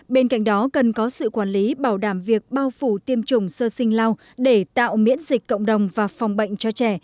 bên cạnh đó cần có sự quản lý bảo đảm việc bao phủ tiêm chủng sơ sinh lao để tạo miễn dịch cộng đồng và phòng bệnh cho trẻ